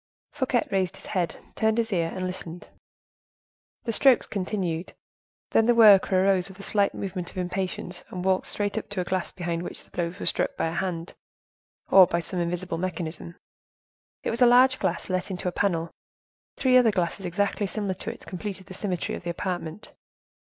Fouquet raised his head, turned his ear, and listened. The strokes continued. Then the worker arose with a slight movement of impatience and walked straight up to a glass behind which the blows were struck by a hand, or by some invisible mechanism. It was a large glass let into a panel. Three other glasses, exactly similar to it, completed the symmetry of the apartment.